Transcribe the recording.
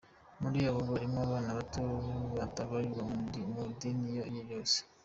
Muri abo harimo abana bato batabarirwaga mu idini iyo ariyo yose.